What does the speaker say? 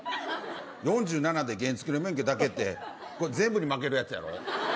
４７で原付の免許だけって全部に負けるやつやろ。